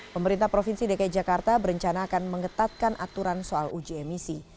pemerintah provinsi dki jakarta berencana akan mengetatkan aturan soal uji emisi